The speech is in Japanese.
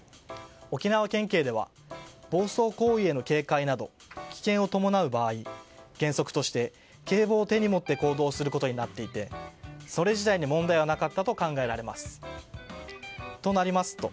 沖縄県警では暴走行為への警戒など、危険を伴う場合原則として警棒を手に持って行動をすることになっていてそれ自体に問題はなかったと考えられます。